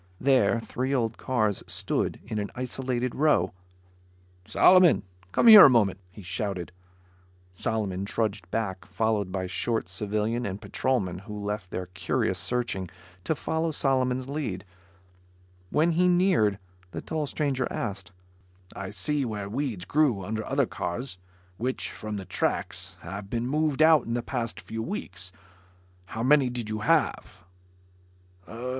There, three old cars stood in an isolated row. "Solomon, come here a moment," he shouted. Solomon trudged back, followed by the short civilian and patrolman who left their curious searching to follow Solomon's lead. When he neared, the tall stranger asked, "I see where weeds grew under other cars which, from the tracks, have been moved out in the past few weeks. How many did you have?"